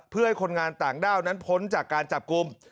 เพื่อให้คนงานต่างด้าวนั้นพ้นจากการจับกลุ่ม